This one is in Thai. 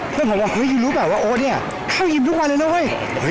เพิ่มบอกว่าเฮ้ยอยู่รู้ป่ะว่าโอสเนี่ยเข้ายมทุกวันเลยนะเว้ย